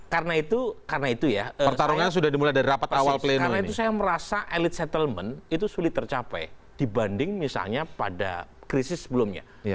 karena itu saya merasa elite settlement itu sulit tercapai dibanding misalnya pada krisis sebelumnya